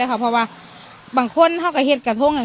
เพราะว่าบางคนใจเงินกระทงคือได้